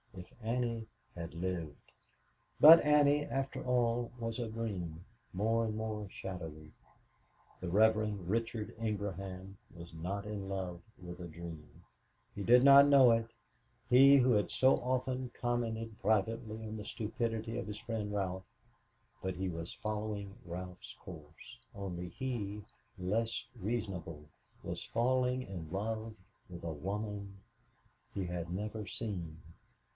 If Annie had lived." But Annie, after all, was a dream, more and more shadowy. The Reverend Richard Ingraham was not in love with a dream. He did not know it he who had so often commented privately on the stupidity of his friend Ralph but he was following Ralph's course, only he, less reasonable, was falling in love with a woman he had never seen.